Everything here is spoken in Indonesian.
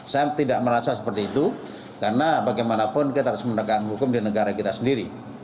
saya tidak merasa seperti itu karena bagaimanapun kita harus menegakkan hukum di negara kita sendiri